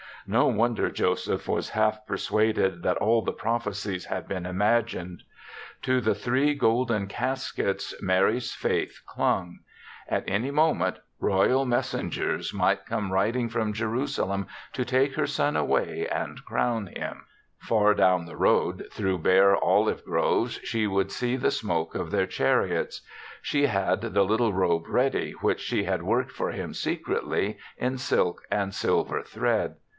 No wonder Joseph was half persuaded that all the prophecies had been imagined. To the three golden cas kets Mary's faith clung. At any moment royal messengers might THE SEVENTH CHRISTMAS 13 come riding from Jerusalem to take her son away and crown him. Far down the road through bare olive groves, she would see the smoke of their chariots. She had the little robe ready, which she had worked for him secretly in silk and silver thread.